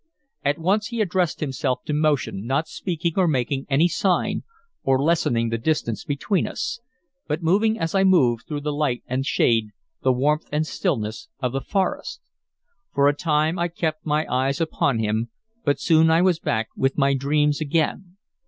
At once he addressed himself to motion, not speaking or making any sign or lessening the distance between us, but moving as I moved through the light and shade, the warmth and stillness, of the forest. For a time I kept my eyes upon him, but soon I was back with my dreams again.